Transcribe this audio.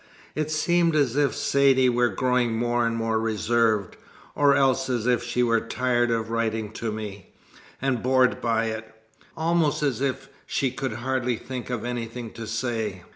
It seemed as if Saidee were growing more and more reserved, or else as if she were tired of writing to me, and bored by it almost as if she could hardly think of anything to say.